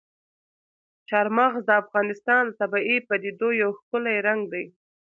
چار مغز د افغانستان د طبیعي پدیدو یو ښکلی رنګ دی.